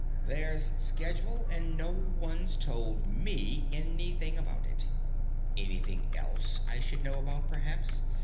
There's schedule, and no one's told me anything about it. Anything else I should know about, perhaps?